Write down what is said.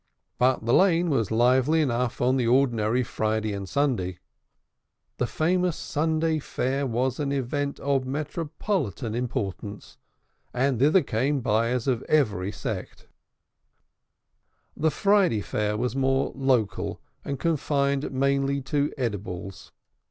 But the Lane was lively enough on the ordinary Friday and Sunday. The famous Sunday Fair was an event of metropolitan importance, and thither came buyers of every sect. The Friday Fair was more local, and confined mainly to edibles.